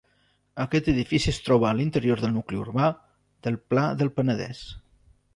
Aquest edifici es troba a l'interior del nucli urbà del Pla del Penedès.